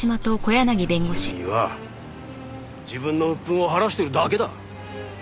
君は自分の鬱憤を晴らしているだけだ。